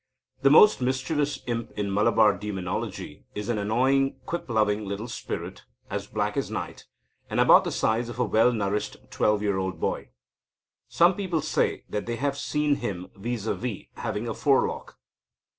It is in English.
The most mischievous imp in Malabar demonology is an annoying quip loving little spirit, as black as night, and about the size of a well nourished twelve year old boy. Some people say that they have seen him vis à vis, having a forelock.